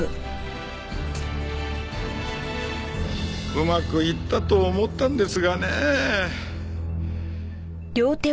うまくいったと思ったんですがねえ。